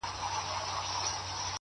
o زه چي کور ته ورسمه هغه نه وي؛